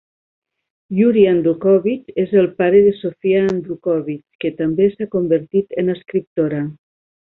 Yuri Andrukhovych és el pare de Sofia Andrukhovych, que també s'ha convertit en escriptora.